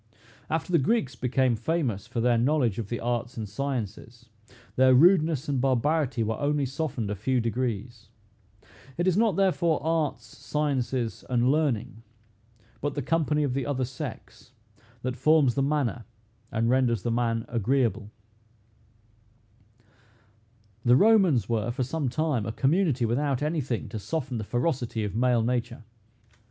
After the Greeks became famous for their knowledge of the arts and sciences, their rudeness and barbarity were only softened a few degrees. It is not therefore arts, sciences, and learning, but the company of the other sex, that forms the manner and renders the man agreeable. The Romans were, for some time, a community without any thing to soften the ferocity of male nature.